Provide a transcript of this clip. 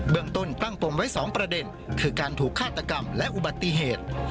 เมืองต้นตั้งปมไว้๒ประเด็นคือการถูกฆาตกรรมและอุบัติเหตุ